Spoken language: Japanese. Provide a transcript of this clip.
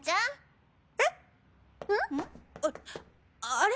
あれ？